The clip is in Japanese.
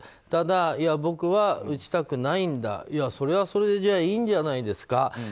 ただ、僕は打ちたくないんだいや、それはそれでいいんじゃないですか。